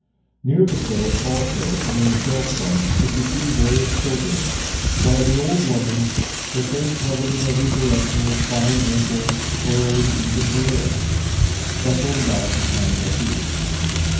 Near the stove, also, and in shelf bunks could be seen various children, while the old woman — her face covered in every direction with fine wrinkles, furrowing even her lips — bustled about behind Vassili.